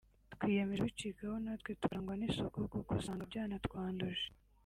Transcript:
twiyemeje ku bicikaho natwe tukarangwa n’isuku kuko usanga byanatwanduje